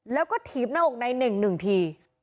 แล้วก็ถีบหน้าอกในเน่งหนึ่งที